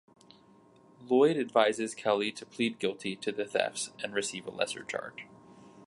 Lloyd advises Kelly to plead guilty to the thefts and receive a lesser charge.